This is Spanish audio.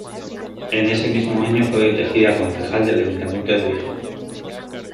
En ese mismo año fue elegida concejal del Ayuntamiento de Vigo.